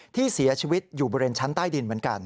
ที่เสียชีวิตอยู่บริเวณชั้นใต้ดินเหมือนกัน